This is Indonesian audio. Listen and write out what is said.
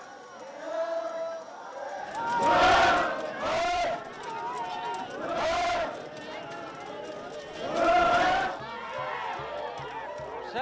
ketawa tersangkir confusions dan penghapusan berlaku sudah menyebabkan penyusupan dendam yang berkelakuan